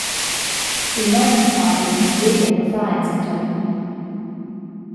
Silmeins ha el la bunaveglia da far enzatgei.